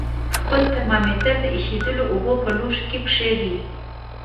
خپل ترمامتر د ایشېدلو اوبو په لوښي کې کیږدئ.